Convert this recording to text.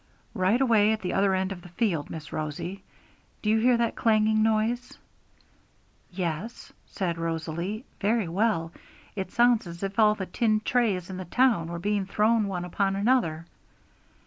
'Right away at the other end of the field, Miss Rosie. Do you hear that clanging noise?' 'Yes,' said Rosalie, 'very well; it sounds as if all the tin trays in the town were being thrown one upon another!'